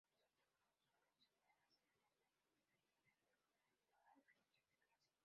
Los atributos sólo se pueden acceder directamente desde dentro de una definición de clase.